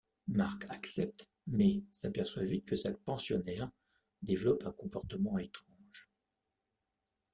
Marc accepte mais s'aperçoit vite que sa pensionnaire développe un comportement étrange.